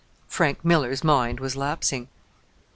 Frank Miller's mind was lapsing.